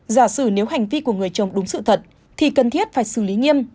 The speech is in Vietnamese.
giả sử nếu hành vi của người chồng đúng sự thật thì cần thiết phải xử lý nghiêm